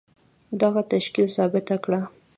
دغه تشکيل ثابته کړه.